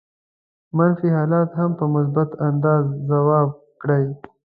منفي حالات هم په مثبت انداز ځواب کړي.